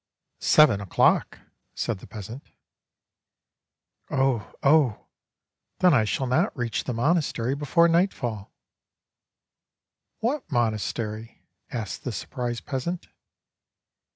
■Seven o» clock," said the peasant. "Oh, oh, then I shall not reach the monastery before nightfall." "That monastery?" asked the surprised peasant.